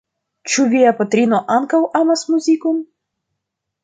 Ĉu via patrino ankaŭ amas muzikon?